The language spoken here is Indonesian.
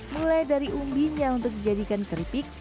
mulai dari umbinya untuk dijadikan keripik